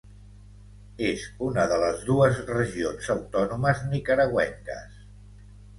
És una de les dues regions autònomes nicaragüenques.